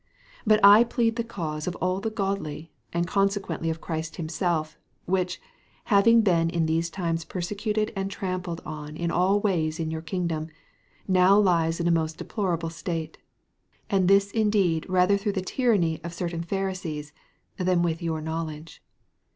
But I plead the cause of all the godly, and consequently of Christ himself, which, having been in these times persecuted and trampled on in all ways in your kingdom, now lies in a most deplorable state; and this indeed rather through the tyranny of certain Pharisees, than with your knowledge.